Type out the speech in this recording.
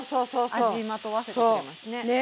味まとわせてくれますね。ね。